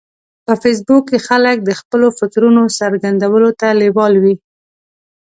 په فېسبوک کې خلک د خپلو فکرونو څرګندولو ته لیوال وي